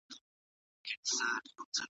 ښه چلند ماشومانو ته په عمل کې وښایئ.